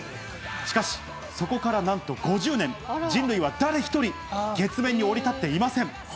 しかし、そこからなんと５０年、人類は誰一人月面に降り立っていません。